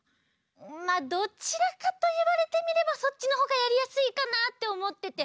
まあどちらかといわれてみればそっちのほうがやりやすいかなっておもってて。